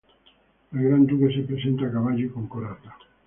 El gran duque se presenta a caballo y con coraza.